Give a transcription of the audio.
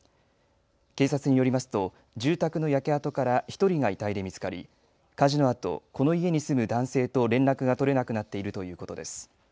警察によりますと住宅の焼け跡から１人が遺体で見つかり火事のあとこの家に住む男性と連絡が取れなくなっているということです。